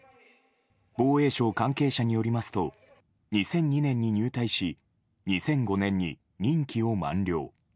防衛省関係者によりますと２００２年に入隊し２００５年に任期を満了。